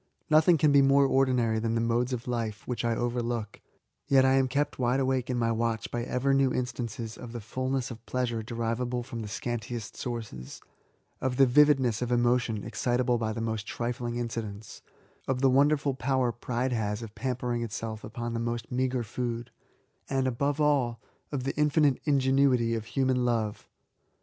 Nothing can be more ordinary than the modes of life whi(^ I overlook, yet am I kept wide awake in my watch by ever new instances of the fulness of pleasure derivable from the scantiest sources ; of the vivid ness of emotion excitable by the most trifling inci dents; of the wonderful power pride has of pam pering itself upon the most meagre food ; and> above all, of the infinite ingenuity of human love.